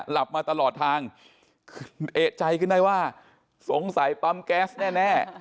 หลับมาตลอดทางเอกใจขึ้นได้ว่าสงสัยปั๊มแก๊สแน่